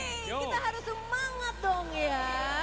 kita harus semangat dong ya